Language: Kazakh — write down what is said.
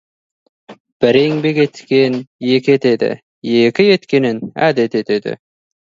Бір еңбек еткен екі етеді, екі еткенін әдет етеді.